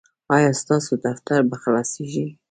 ایا ستاسو دفتر به خلاصیږي؟